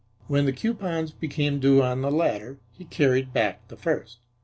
When the coupons became due on the latter he carried back the first.